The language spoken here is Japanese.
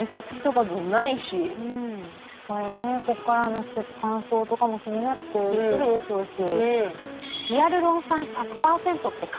これねこれからの季節乾燥とかも気になってくるでしょうし。